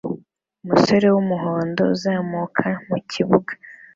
Umusore wumuhondo uzamuka mukibuga